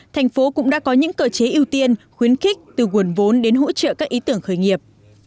thành phố cũng đã có những cơ chế ưu tiên khuyến khích từ nguồn vốn đến hỗ trợ các ý tưởng khởi nghiệp